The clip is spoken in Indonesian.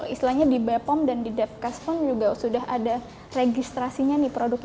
istilahnya di bepom dan di depkes pun juga sudah ada registrasinya nih produknya